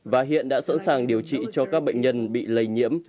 và hiện đã sẵn sàng điều trị cho các bệnh nhân bị lây nhiễm